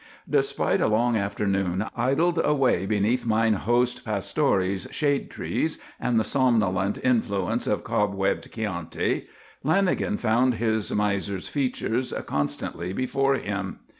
Despite a long afternoon idled away beneath mine host Pastori's shade trees and the somnolent influence of cobwebbed Chianti, Lanagan found his miser's features constantly before him.